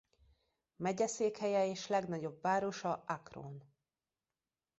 Megyeszékhelye és legnagyobb városa Akron.